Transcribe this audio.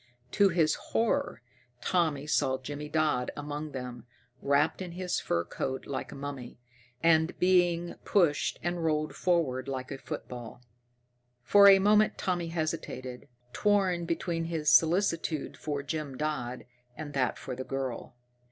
To his horror, Tommy saw Jimmy Dodd among them, wrapped in his fur coat like a mummy, and being pushed and rolled forward like a football. For a moment Tommy hesitated, torn between his solicitude for Jim Dodd and that for the girl.